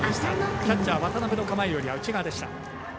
キャッチャー、渡邊の構えより内側でした。